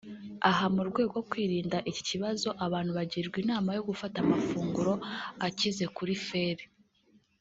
Aha mu rwego rwo kwirinda iki kibazo abantu bagirwa inama yo gufata amafunguro akize kuri feri